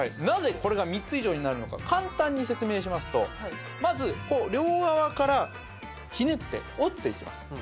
なぜこれが３つ以上になるのか簡単に説明しますとまず両側からひねって折っていきます